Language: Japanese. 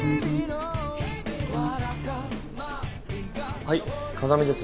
はい風見です。